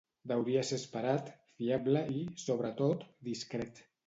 Deuria ser esperat, fiable i, sobretot, discret.